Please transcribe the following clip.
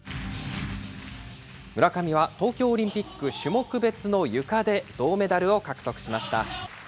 村上は東京オリンピック種目別のゆかで銅メダルを獲得しました。